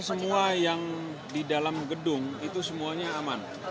semua yang di dalam gedung itu semuanya aman